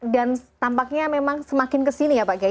dan tampaknya memang semakin kesini ya pak gai